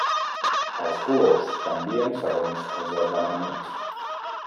Els colors canvien segons els esdeveniments.